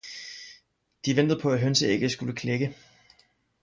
De ventede på at hønseægget skulle klække.